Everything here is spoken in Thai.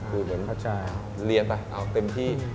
คือเหมือนเรียนไปเต็มที่